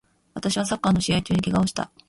私はサッカーの試合中に怪我をした